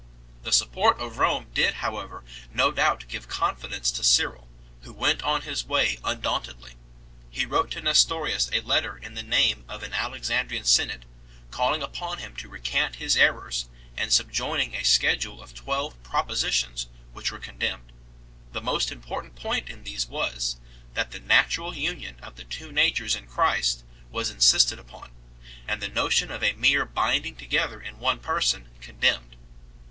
The support of Rome did however no doubt give confidence to Cyril, who went on his way undaunted ly. He wrote to Nestorius a letter in the name of an Alex andrian synod, calling upon him to recant his errors, and subjoining a schedule of twelve propositions which were condemned 3 . The most important point in these was, that the natural union of the two natures in Christ was insisted upon, and the notion of a mere binding together in one person condemned 4